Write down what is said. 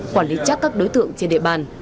quản lý chắc các đối tượng trên địa bàn